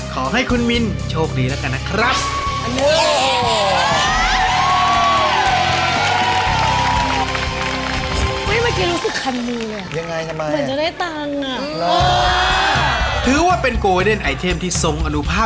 แต่ได้ชิ้นแล้วนะคะ